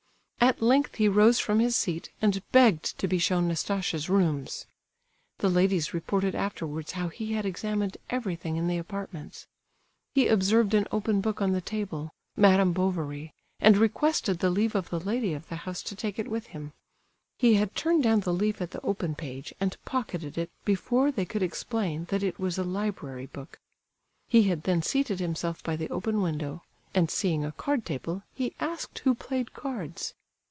At length he rose from his seat, and begged to be shown Nastasia's rooms. The ladies reported afterwards how he had examined everything in the apartments. He observed an open book on the table, Madam Bovary, and requested the leave of the lady of the house to take it with him. He had turned down the leaf at the open page, and pocketed it before they could explain that it was a library book. He had then seated himself by the open window, and seeing a card table, he asked who played cards.